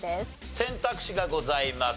選択肢がございます。